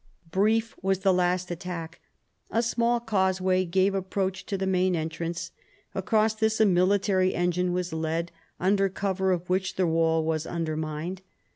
Brief was the in THE FALL OF THE ANGEVINS 79 last attack. A small causeway gave approach to the main entrance. Across this a military engine was led, under cover of which the wall was undermined.